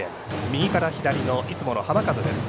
右から左のいつもの浜風です。